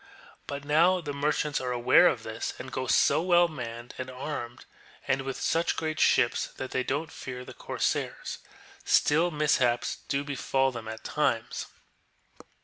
" But now the merchants are aware of this, and go so well manned and armed, and with such great ships, that they don't fear the corsairs. Still mishaps do befal them at times.